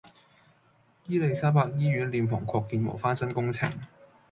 伊利沙伯醫院殮房擴建和翻新工程